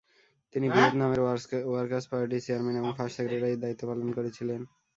তিনি ভিয়েতনামের ওয়ার্কার্স পার্টির চেয়ারম্যান এবং ফার্স্ট সেক্রেটারির দায়িত্ব পালন করেছিলেন।